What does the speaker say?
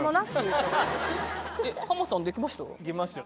でハマさん出来ました？